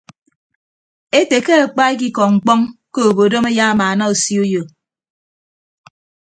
Ete ke akpa ekikọ mkpọñ ke obodom ayamaana osio uyo.